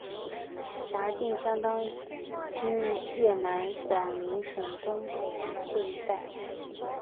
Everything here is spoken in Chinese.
辖境相当今越南广宁省东北河桧一带。